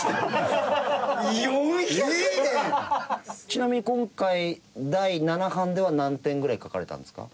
ちなみに今回第七版では何点ぐらい描かれたんですか？